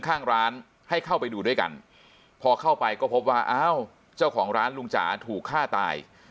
ข้างร้านให้เข้าไปดูด้วยกันพอเข้าไปก็พบว่าอ้าวเจ้าของร้านลุงจ๋าถูกฆ่าตาย